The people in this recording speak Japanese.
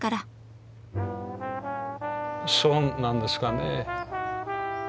そうなんですかね。